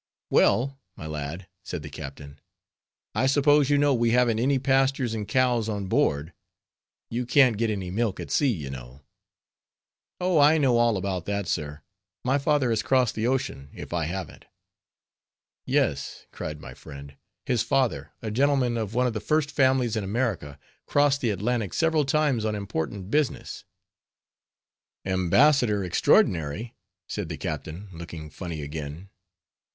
"Well, my lad," said the captain, "I suppose you know we haven't any pastures and cows on board; you can't get any milk at sea, you know." "Oh! I know all about that, sir; my father has crossed the ocean, if I haven't." "Yes," cried my friend, "his father, a gentleman of one of the first families in America, crossed the Atlantic several times on important business." "Embassador extraordinary?" said the captain, looking funny again.